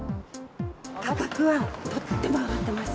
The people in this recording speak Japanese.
価格はとっても上がってます。